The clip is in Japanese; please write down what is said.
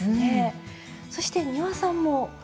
そして丹羽さんも。